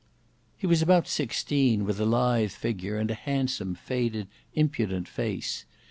He was about sixteen, with a lithe figure, and a handsome, faded, impudent face.